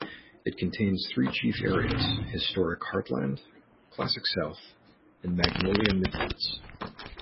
It contains three chief areas: Historic Heartland, Classic South, and Magnolia Midlands.